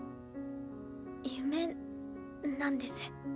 夢なんです。